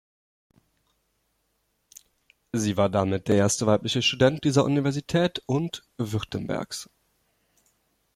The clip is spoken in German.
Sie war damit der erste weibliche Student dieser Universität und Württembergs.